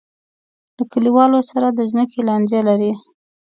له کلیوالو سره د ځمکې لانجه لري.